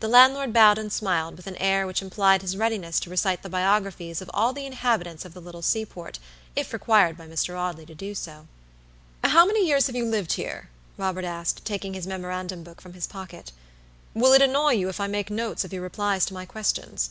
The landlord bowed and smiled, with an air which implied his readiness to recite the biographies of all the inhabitants of the little seaport, if required by Mr. Audley to do so. "How many years have you lived here?" Robert asked, taking his memorandum book from his pocket. "Will it annoy you if I make notes of your replies to my questions?"